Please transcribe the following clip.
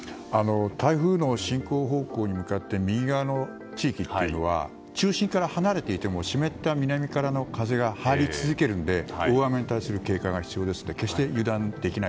台風の進行方向に向かって右側の地域というのは中心から離れていても湿った南からの風が入り続けるので大雨に対する警戒が必要です。